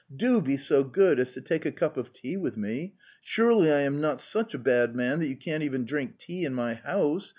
Do be so good as to take a cup of tea with me. Surely I am not such a bad man that you can't even drink tea in my house?